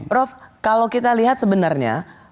prof kalau kita lihat sebenarnya